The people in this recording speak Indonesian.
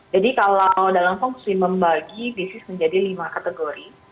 jadi kalau dalam fungsi membagi bisnis menjadi lima kategori